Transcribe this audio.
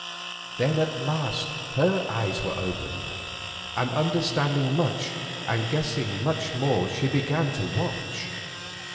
Then at last her eyes were opened, and understanding much and guessing more she began to watch.